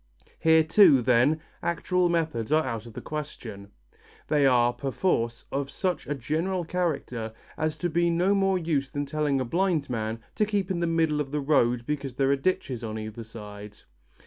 Here too, then, actual methods are out of the question. They are, perforce, of such a general character as to be no more use than telling a blind man to keep in the middle of the road because there are ditches on either side.